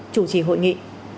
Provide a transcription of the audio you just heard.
chủ trì hội nghị